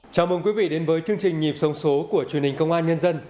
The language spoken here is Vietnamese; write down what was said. chào mừng quý vị đến với chương trình nhịp sông số của truyền hình công an nhân dân